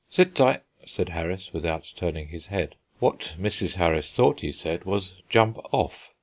"Sit tight," said Harris, without turning his head. What Mrs. Harris thought he said was, "Jump off."